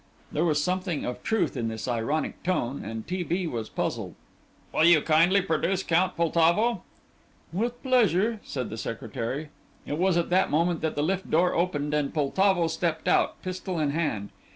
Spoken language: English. There was something of truth in his ironic tone, and T. B. was puzzled. "Will you kindly produce Count Poltavo?" "With pleasure," said the secretary. It was at that moment that the lift door opened and Poltavo stepped out, pistol in hand.